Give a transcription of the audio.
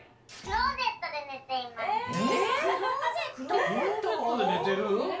クローゼットで寝てる！？